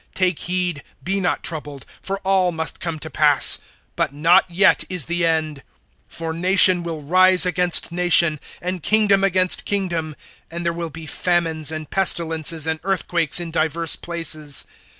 Take heed, be not troubled; for all must come to pass[24:6]; but not yet is the end! (7)For nation will rise against nation, and kingdom against kingdom; and there will be famines, and pestilences, and earthquakes, in divers places.